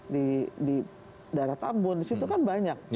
di daerah tambun di situ kan banyak